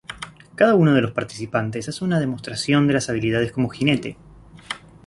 Cada uno de los participantes, hace una demostración de las habilidades como jinete.